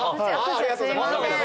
ありがとうございます。